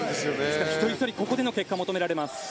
一人ひとりここでの結果が求められます。